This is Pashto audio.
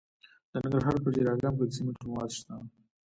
د ننګرهار په پچیر اګام کې د سمنټو مواد شته.